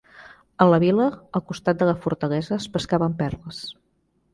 A la vila al costat de la fortalesa es pescaven perles.